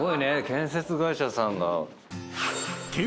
建設会社さんが。